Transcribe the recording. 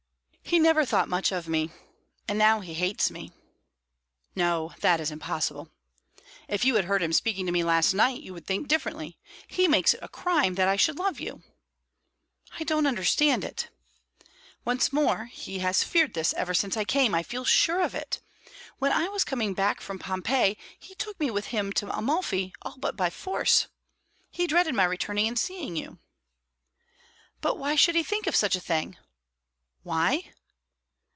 "He never thought much of me, and now he hates me." "No; that is impossible." "If you had heard him speaking to me last night, you would think differently. He makes it a crime that I should love you." "I don't understand it." "What's more, he has feared this ever since I came; I feel sure of it. When I was coming back from Pompeii, he took me with him to Amalfi all but by force. He dreaded my returning and seeing you." "But why should he think of such a thing?" "Why?"